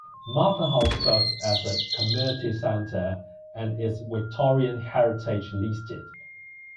Martha House serves as a community centre and is Victorian Heritage listed.